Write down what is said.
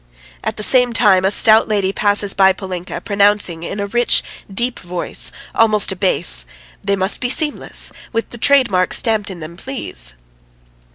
At the same time a stout lady passes by Polinka, pronouncing in a rich, deep voice, almost a bass: "They must be seamless, with the trade mark stamped in them, please."